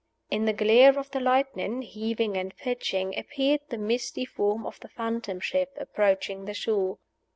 In the glare of the lightning, heaving and pitching, appeared the misty form of the Phantom Ship approaching the shore.